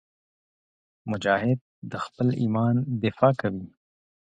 مجاهد د خپل ایمان دفاع کوي.